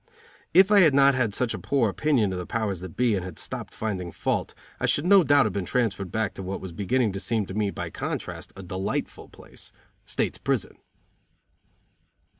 If I had not had such a poor opinion of the powers that be and had stopped finding fault I should no doubt have been transferred back to what was beginning to seem to me, by contrast, a delightful place state's prison.